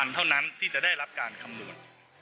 เท่านั้นที่จะได้รับการคำนวณ